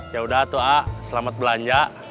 yaudah tua selamat belanja